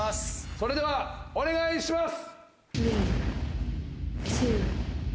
それではお願いします。